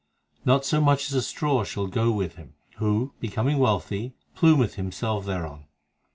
2 Not so much as a straw shall go with him, Who, becoming wealthy, plumeth himself thereon.